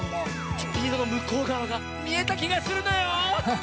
スピードのむこうがわがみえたきがするのよ！